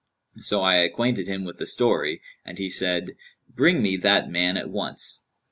So I acquainted him with the story and he said, 'Bring me that man at once.'